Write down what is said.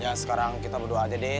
ya sekarang kita berdoa aja deh